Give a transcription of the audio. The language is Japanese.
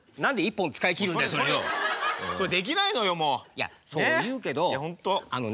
いやそう言うけどあのね